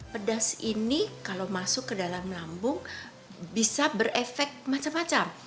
pedas ini kalau masuk ke dalam lambung bisa berefek macam macam